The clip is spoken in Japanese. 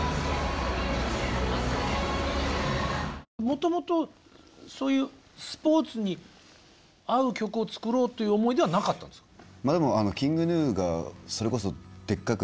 もともとそういうスポーツに合う曲を作ろうという思いではなかったんですか？